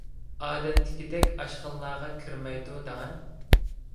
ئادەتتىكىدەك ئاشخانىلارغا كىرمەيدۇ دەڭە.